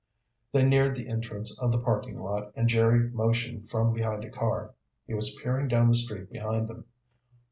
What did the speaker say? They neared the entrance of the parking lot and Jerry motioned from behind a car. He was peering down the street behind them.